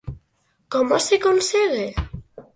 Como se consegue?